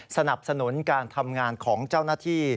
สนับสนุนการทำงานของเจ้าหน้าที่